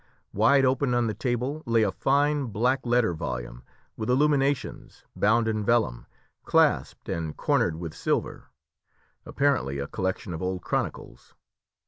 Wide open on the table lay a fine black letter volume, with illuminations, bound in vellum, clasped and cornered with silver, apparently a collection of old chronicles.